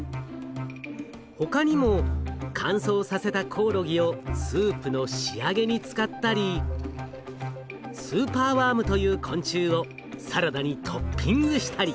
他にも乾燥させたコオロギをスープの仕上げに使ったりスーパーワームという昆虫をサラダにトッピングしたり。